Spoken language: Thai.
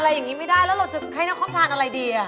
อย่างนี้ไม่ได้แล้วเราจะให้นครทานอะไรดีอ่ะ